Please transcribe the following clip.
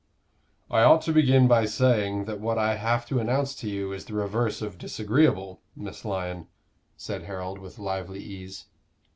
"I ought to begin by saying that what I have to announce to you is the reverse of disagreeable, Miss Lyon," said Harold, with lively ease.